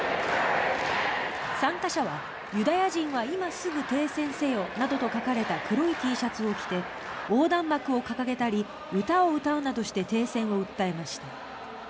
参加者は、ユダヤ人は今すぐ停戦せよなどと書かれた黒いＴシャツを着て横断幕を掲げたり歌を歌うなどして停戦を訴えました。